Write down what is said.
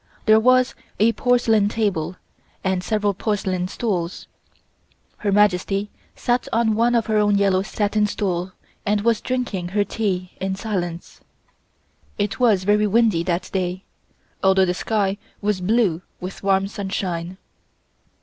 There was a porcelain table and several porcelain stools. Her Majesty sat on her own yellow satin stool and was drinking her tea in silence. It was very windy that day, although the sky was blue with warm sunshine.